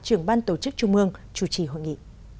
trưởng ban tổ chức trung ương chủ trì hội nghị